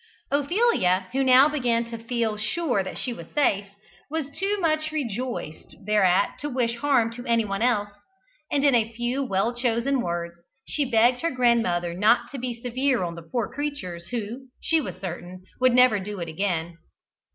Ophelia, who now began to feel sure that she was safe, was too much rejoiced thereat to wish harm to anyone else, and in a few well chosen words she begged her godmother not to be severe on the poor creatures, who, she was certain, would never do it again.